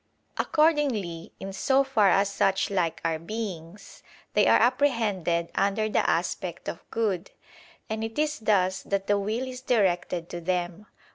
Accordingly, in so far as such like are beings, they are apprehended under the aspect of good; and it is thus that the will is directed to them.